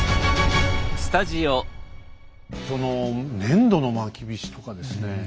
その粘土のまきびしとかですね